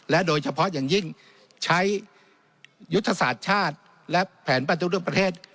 โดยเฉพาะอย่างยิ่งใช้ยุทธศาสตร์ชาติและแผนปฏิรูปประเทศ